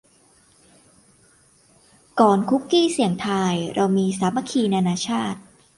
ก่อน คุกกี้เสี่ยงทาย เรามี สามัคคีนานาชาติ